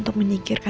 terima kasih bu